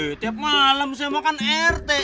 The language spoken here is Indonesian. hei tiap malam saya makan rt